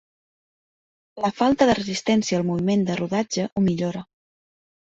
La falta de resistència al moviment de rodatge ho millora.